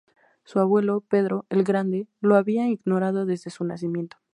Su abuelo, Pedro "el Grande", lo había ignorado desde su nacimiento.